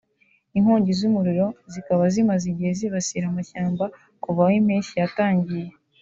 inkongi z’umuriro zikaba zimaze igihe zibasira amashyamba kuva aho impeshyi yatangiriye